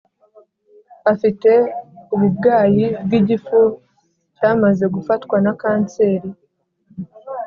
Afite ububwayi bw’ igifu cyamaze Gufatwa na kanseri